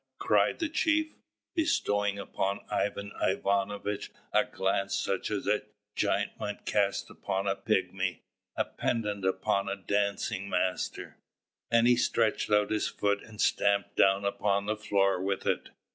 screamed the chief, bestowing upon Ivan Ivanovitch a glance such as a giant might cast upon a pigmy, a pedant upon a dancing master: and he stretched out his foot and stamped upon the floor with it.